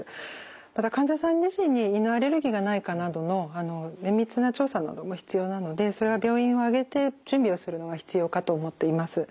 また患者さん自身に犬アレルギーがないかなどの綿密な調査なども必要なのでそれは病院を挙げて準備をするのが必要かと思っています。